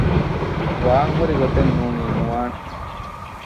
ވާންހުރި ގޮތެއް ނޫނީ ނުވާނެ